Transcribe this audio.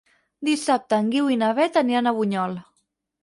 Dissabte en Guiu i na Beth aniran a Bunyol.